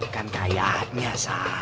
kan kayaknya san